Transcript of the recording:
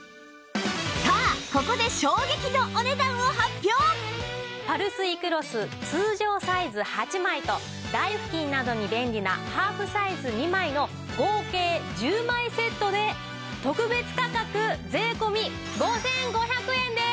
さあここでパルスイクロス通常サイズ８枚と台布巾などに便利なハーフサイズ２枚の合計１０枚セットで特別価格税込５５００円です。